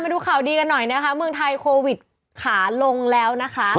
ดูข่าวดีกันหน่อยนะคะเมืองไทยโควิดขาลงแล้วนะคะ